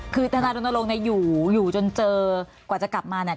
คือทนายรณรงค์เนี่ยอยู่อยู่จนเจอกว่าจะกลับมาเนี่ย